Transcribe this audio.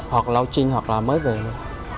hoặc là lâu trinh hoặc là mới về